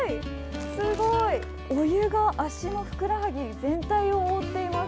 すごい。お湯が足のふくらはぎ全体を覆っています。